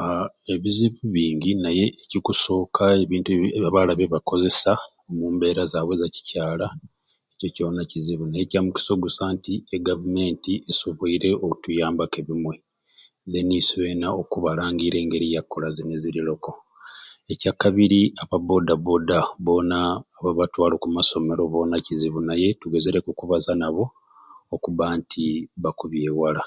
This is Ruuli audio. Aa ebizibu bingi naye ekikusooka ebintu bii abaala bibakozesa omumbeera zaabwe ezakikyala ekyo kyona kizibu naye kyamukisa nti e Gavumenti esobweire okutuyambaku ebimwe deni iswena okubalangira engeri yakukola kini eziri loko n'ekyakabiri aba booda booda boona ababatwala okusomero boona kizibu naye tugezereku okubaza nabo okubba nti bakubyewala.